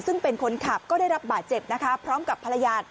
ซึ่งเป็นคนขับก็ได้รับบาดเจ็บนะคะพร้อมกับภรรยา